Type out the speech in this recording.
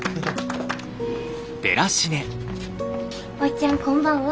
おっちゃんこんばんは。